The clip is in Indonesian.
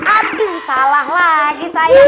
aduh salah lagi sayang